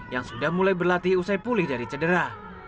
yang sudah mulai berlatih usai pulih dari cedera